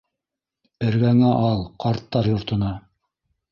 Эргәңә ал, ҡарттар йортона!